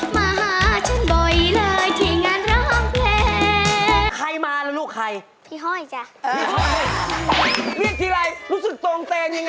มาหาฉันบ่อยเลยที่งานร้องเพลง